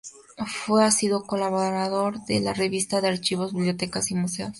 Fue asiduo colaborador de la "Revista de Archivos, Bibliotecas y Museos".